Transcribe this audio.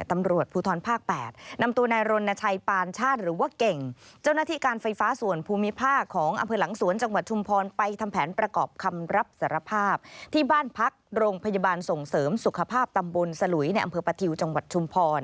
การนำตัวไปทำแผนประกอบคำรับสารภาพที่บ้านพักโรงพยาบาลส่งเสริมสุขภาพตำบลสลุยในอำเภอประทิวจังหวัดชุมพร